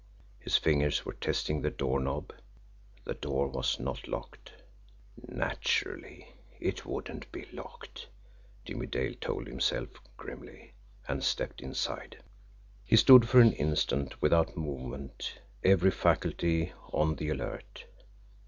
His fingers were testing the doorknob. The door was not locked. "Naturally, it wouldn't be locked," Jimmie Dale told himself grimly and stepped inside. He stood for an instant without movement, every faculty on the alert.